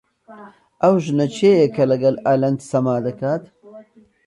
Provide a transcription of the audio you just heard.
ئەو ژنە کێیە کە لەگەڵ ئەلەند سەما دەکات؟